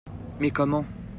Mais comment?